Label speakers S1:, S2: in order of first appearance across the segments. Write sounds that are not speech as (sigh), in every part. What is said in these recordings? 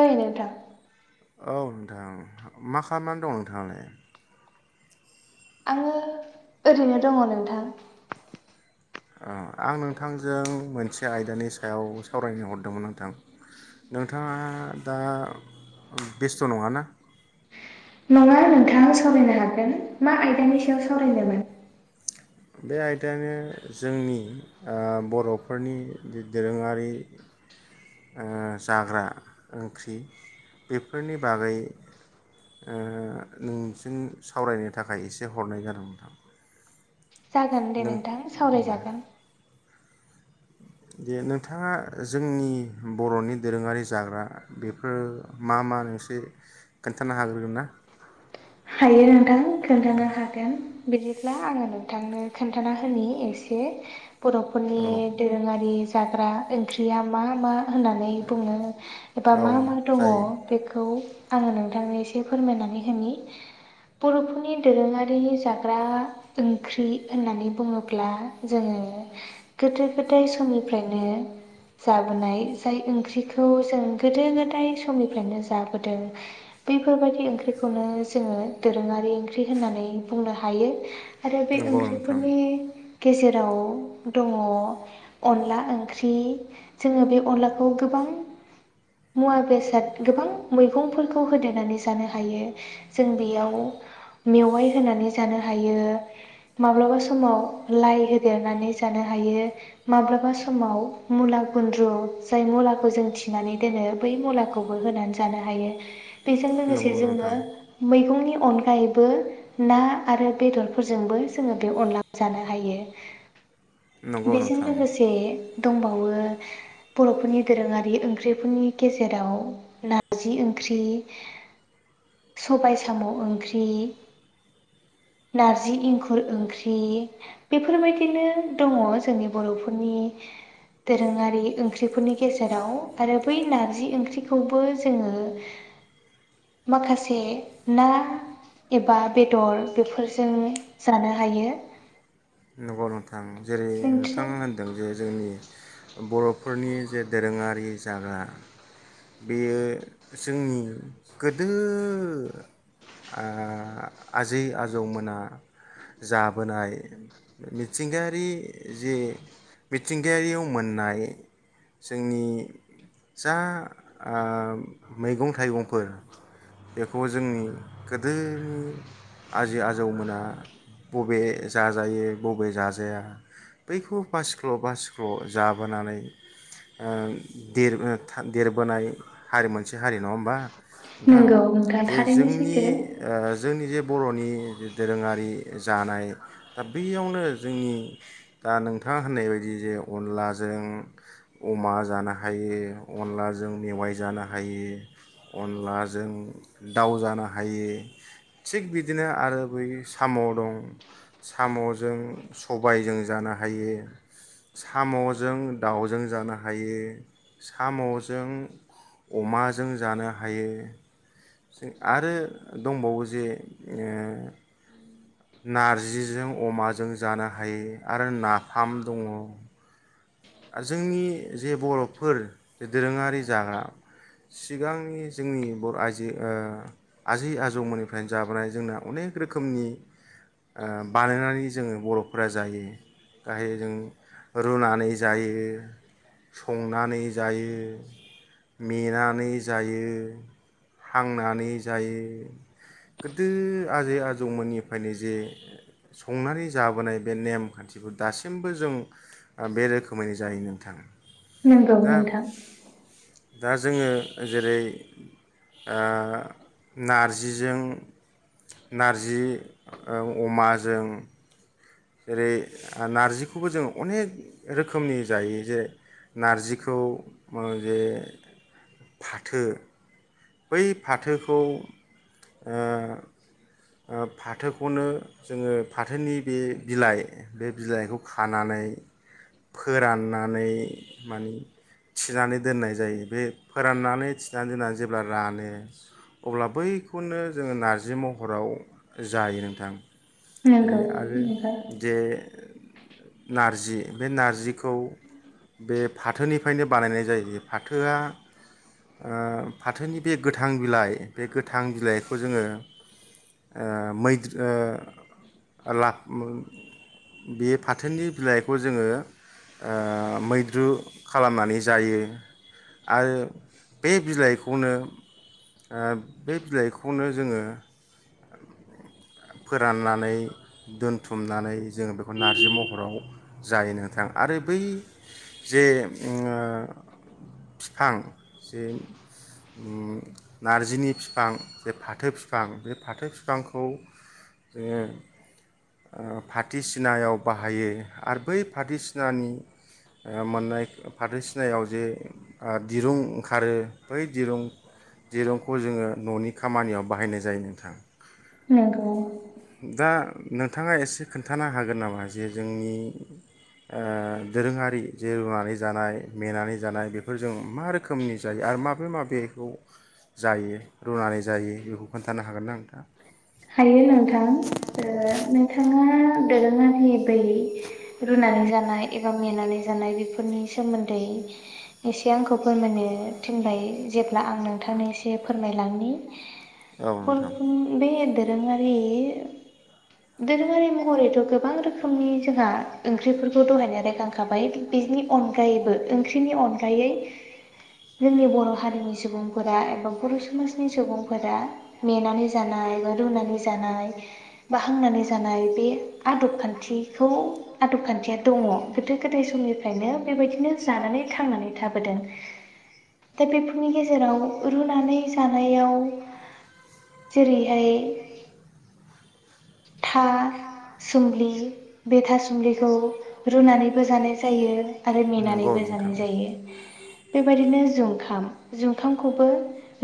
S1: ओइ नोंथां।
S2: औ नोंथां मा खालामनानै दं नोंथाङालाय?
S1: आङो ओरैनो दङ नोंथां।
S2: आं नोंथांजों मोनसे आयदानि सायाव सावरायनो हरदोंमोन नोंथां नोंथाङा दा बेस्थ' नङा ना।
S1: नङा नोंथाङा सावरायनो हागोन मा आयदानि सायाव सावरायनोमोन।
S2: बे आयदायानो जोंनि बर'फोरनि दोरोङारि जाग्रा ओंख्रि बेफोरनि बागै ओ नोंजों सावरायनो थाखाय एसे हरनाय जादों नोंथां।
S1: जागोन दे नोंथां सावरायजागोन।
S2: दे नोंथाङा जोंनि बर'नि दोरोङारि जाग्रा बेफोरो मा मा एसे खोन्थानो हाग्रोगोन ना?
S1: हायो नोंथां खोन्थानो हागोन बिदिब्ला आङो नोंथांनो खोन्थाना होनि एसे। बर'फोरनि दोरोङारि। जाग्रा ओंख्रिया मा मा होननानै बुङो एबा मा मा दङ बेखौ आङो नोंथांनो एसे फोरमायनानै होनि बर'फोरनि दोरोङारि जाग्रा ओंख्रि होननानै बुङोब्ला जोङो गोदो-गोदाय समनिफ्रायनो जाबोनाय जाय ओंख्रिखौ जों गोदो-गोदाय समनिफ्रायनो जाबोदों बैफोरबायदि ओंख्रिखौनो जोङो दोरोङारि ओंख्रि होननानै बुंनो हायो। आरो बे ओंख्रिफोरनि गेजेराव दङ अनला ओंख्रि जोङो बे अनलाखौ गोबां मुवा बेसाद गोबां मैगंफोरखौ होदेरनानै जानो हायो। जों बेयाव मेवाइ होनानै जानो हायो माब्लाबा समाव लाइ होदेरनानै जानो हायो माब्लाबा समाव मुला गुन्द्रु जाय मुलाखौ जों थिनानै दोनो बै मुलाखौबो होनानै जानो हायो। बेजों लोगोसे जोङो मैगंनि अनगायैबो ना आरो बेदरफोरजोंबो जोङो बे अनला जानो हायो बेजों लोगोसे दंबावो बर'फोरनि दोरोङारि ओंख्रिफोरनि गेजेराव नारजि ओंख्रि सबाय साम' ओंख्रि, नारजि इंखुर ओंख्रि बेफोरबायदिनो दङ जोंनि बर'फोरनि दोरोङारि ओंख्रिफोरनि गेजेराव आरो बै नारजि ओंख्रिखौबो जोङो माखासे माखासे ना एबा बेदर बेफोरजों जानो हायो
S2: नंगौ नोंथां जेरै नोंथां होनदों जे जोंनि बर'फोरनि जे दोरोङारि जाग्रा बेयो जोंनि गोदो आ आजै-आजौमोना जाबोनाय मिथिंगायारि जे मिथिंगायारियाव मोननाय जोंनि जा आ मैगं-थाइगंफोर बेखौ जोंनि गोदोनि आजै-आजौमोना बबे जाजायो बबे जाजाया बैखौ बैखौ बासिख्ल'-बासिख्ल' जाबोनानै ओ देरबोनाय हारि मोनसे हारि नङा होमबा नोंथां जे जोंनि ओ जोंनि जे बर'नि दोरोङारि जानाय बैयावनो जोंनि दा नोंथाङा होननाय बायदि जे अनलाजों अमा जानो हायो अनलाजों मेवाइ जानो हायो अनलाजों दाउ जानो हायो थिग बिदिनो आरो बै साम' दं साम'जों सबायजों जानो हायो साम'जों दाउजों जानो हायो साम'जों अमाजों जानो हायो जों आरो दंबावो जे ओ नारजिजों अमाजों जानो हायो आरो नाफाम दङ जोंनि जे बर'फोर दोरोङारि जाग्रा सिगांनि जोंनि बर' आइजो ओ आजै-आजौमोननिफ्रायनो जाबोनाय जोंना अनेक रोखोमनि ओ बानायनानै जोङो बर'फोरा जायो गाहाय जों रुनानै जायो संनानै जायो मेंनानै जायो हांनानै जायो गोदो आजै-आजौमोननिफायनो जे संनानै जाबोनाय बे नेम खान्थिफोर दासिमबो जों बे रोखोम मै जायो नोंथाङा
S1: नोंगौ नोंथां
S2: दा जोङो जेरै ओ नारजिजों नारजि ओ अमाजों जेरै नार्जिखौबो जोंङो अनेक रोखोमनि जायो जेरेै नारजिखौ जे फाथो बै फाथोखौ ओ ओ फाथोखौनो जोङो फाथोनि बे बिलाइ बे बिलाइखौ खानानै फोराननानै माने थिनानै दोननाय जायो बे फोराननानै थिनानै दोनना जेब्ला रानो अब्ला बैखौनो जोङो नारजि महराव जायो नोंथां आरो जे नार जि बे नारजिखौ बे फाथोनिफायनो बानायनाय जायो फाथोआ ओ फाथोनि बे गोथां बिलाइ बे गोथां बिलाइखौ जोङो मैद बियो फा फाथोनि बिलाइखौ जोङो मैद्रु खालामनानै जायो आरो बे बिलाइ बे बिलाइखौनो जोङो फोराननानै दोनथुमनानै जोङो बेखौ नारजि महराव जायो नोंथां आरो बै जे बिफां जे नारजिनि फिफां जे फाथो बिफां बे फाथो बिफांखौ जोङो फाथै सिनायाव बाहायो आरो बै फाथै सिनानि मोननाय फाथो सिनायाव जे दिरुं ओंखारो बै दिरुं दिरुंखौ जोङो न'नि खामानियाव बाहायनाय जायो नोंथां।
S1: नंगौ
S2: नोंथाङा एसे खोन्थानो हागोन नामा जे जोंनि दोरोंङारि जे रुनानै जानाय मेनानै जानाय बेफोरजों मा रोखोमनि जायो आरो माबे माबेखौ जायो रुनानै जायो बेखौ खोन्थानो हागोन ना नोंथाङा?
S1: हायो नोंथां नोंथाङा दोरोंङारि बै रुनानै जानाय एबा मेनानै जानाय बेफोरनि सोमोन्दै एसे आंखौ फोरमायनो थिनबाय जेब्ला आं नोंथांनो एसे फोरमायलानि (inaudible) दोरोङारि महरैथ गोबां रोखोमनि जोंहा ओंख्रिफोरखौ दहायनो रायखांखाबाय बिनि अनगायैबो ओंख्रिनि अनगायै जोंनि बर हारिनि सुबुंफोरा एबा बर समाजनि सुबुंफोरा मेनानै जानाय एब रुनानै जानाय बा हांनानै जानाय बे आदब खान्थिखौ आदबखान्थिया दंङ गोदो गोदाय समनिफ्रायनो बेबायदिनो जानानै थांनानै थाबोदों दा बेफोरनि गेजेराव रुनानै जानायाव जेरैहाय (inaudible) था सुमलि बे था सुमलिखौ रुनानैबो जानाय जायो। आरो मेनानैबो जानाय जायो। बेबायदिनो जुखाम जुखामखौबो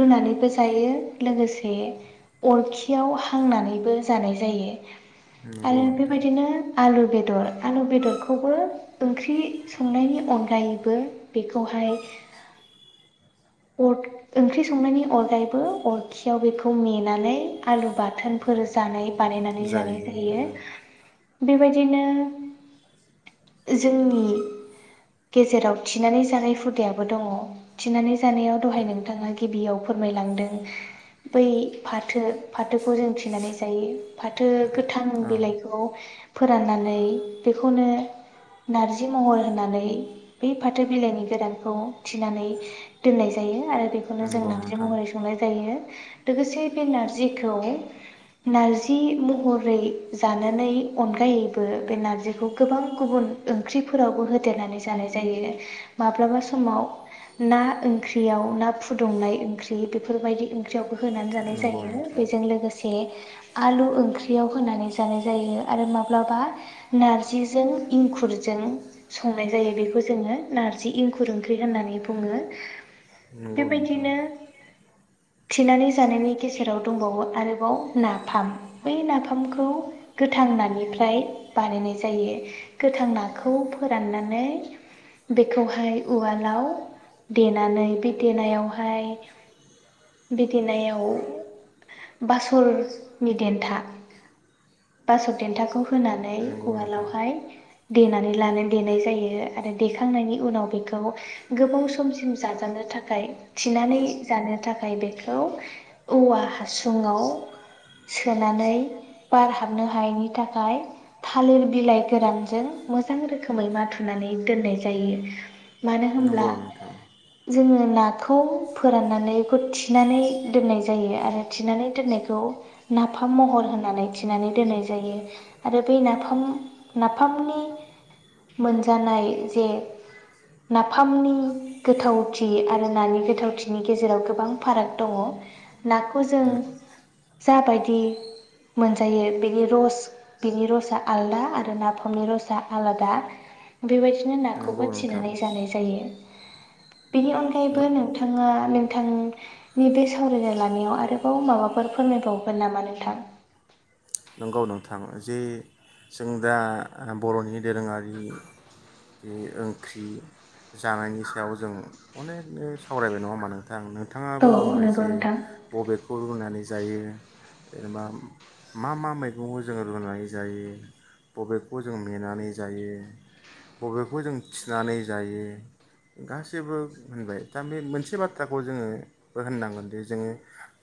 S1: रुनानैबो जायो लोगोसे अरखियाव हांनानैबो जानाय जायो। जायो आरो बेबायदिनो आलु बेदर आलु बेदरखौबो ओंख्रि संनायनि अनगायैबो बेखौहाय ओंख्रि संनायनि अनगायैबो अरखियाव बेखौ मेनानै आलु बाथोनफोर जानाय बानायनानै जानाय जायो। बेबायदिनो जोंनि गेजेराव थिनानै जानाय हुदायाबो दंङ थिनानै जानायाव दहाय नोंथाङा गिबियाव फोरमायलांदों बै फाथो फाथोखौ जों थिनानै जायो। फाथो गोथां बिलाइखौ फोराननानै बेखौनो नारजि महर होननानै बे फाथो बिलाइनि गोरानखौ थिनानै दोननाय जायो आरो बेखौनो जों नारजि महरै संनाय जायो लोगोसे बे नारजिखौ नारजि जि महरै जानानै अनगायैबो बे नारजिखौ गोबां गुबुन ओंख्रिफोरावबो होदेरनानै जानाय जायो माब्लाबा समाव ना ओंख्रियाव ना फुदुंनाय ओंख्रि बेफोरबायदि ओंख्रियावबो होनानै जानाय जायो बेजों लोगोसे आलु ओंख्रियाव होनानै जानाय जायो आरो माब्लाबा नारजिजों इंखुरजों संनाय जायो बेखौ जोंङो नारजि इंखुर ओंख्रि होननानै बुङो।
S2: नोंंगौ नोंथां
S1: थिनानै जानायनि गेजेराव दंबावो आरोबाव ना नाफाम बै नाफामखौ गोथां नानिफ्राय बानायनाय जायो गोथां नाखौ फोराननानै बेखौहाय उवालाव देनानै बे देनायावहाय बे देनायाव बासर नि देन्था बासर देन्था खौ होनानै उवालावहाय देनानै लानो देनाय जायो आरो देखांनायनि उनाव बेखौ गोबाव समसिम जाजानो थाखाय थिनानै जानो थाखाय बेखौ औवा हासुंङाव सोनानै बार हाबनो हायैनि थाखाय थालिर बिलाइ गोरानजों मोजां रोखोमै माथुनानै दोननाय जायो। मानो होनब्ला जोंङो नाखौ फोराननानै बेखौ थिनानै दोननाय जायो आरो थिनानै दोननायखौ नाफाम महर होननानै थिनानै दोननाय जायो आरो बै नाफाम नाफामनि मोनजानाय जे नाफामनि गोथावथि आरो नानि गोथावथिनि गेजेराव गोबां फाराग दंङ नाखौ जों जाबायदि मोनजायो बेनि रस बिनि रसा आलादा आरो नाफामनि रसा आलादा बेबायदिनो नाखौ बोथिनानै जानाय जायो बेनि अनगायैबो नोंथाङा नोंथांनि बे सावरायनाय लानायाव आरोबाव माबाफोर फोरमायबावो नामा नोंथां
S2: नंगौ नोंथां जे जों दा बर'नि दोरोङारि जे ओंख्रि जानायनि सायाव जों अनेकनो सावरायबाय नङा होमा नोंथां बिथांङाबो बुंबाय जे बबेखौ रुनानै जायो (unintelligible) मा मा मैगंखौ जोंङो रुनानै जायो बबेखौ जों मेनानै जायो बबेखौ जों थिनानै जायो गासैबो होनबाय दा बे मोनसे बाथ्राखौ जोंङो होननांगोनदि जोंङो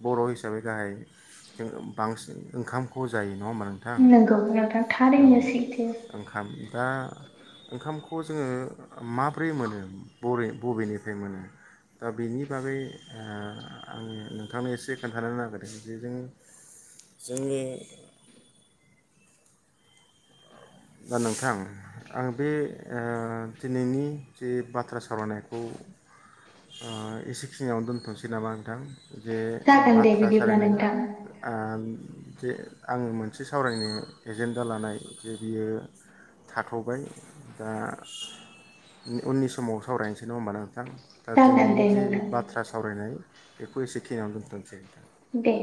S2: बर हिसाबै गाहाय जों बांसिन ओंखामखौ जायो
S1: नंगौ नोंथां थारैनोसैथो।
S2: दा ओंखामखौ जोङो माब्रै मोनो बबेनिफ्राय मोनो दा बेनि बागै आङो नोंथांनो एसे खोन्थानो नागिरदों जे जोंङो जोंनि दा नोंथां आं बे दिनैनि जे बाथ्रा सावरायनायखौ एसेखिनिावनो दोनथ'नोसै नामा नोंथां? जे बाथ्रा सालायनाय जे आङो मोनसे सावरायनो एजेन्डा लानाय जे बियो थाथ'बाय दा उननि समाव सावरायनोसै नङा हबा नोंथां। दा दिनैनि जे बाथ्रा सावरायनाय बेखौ एसे खिनिआवनो दोनथनोसै।
S1: दे।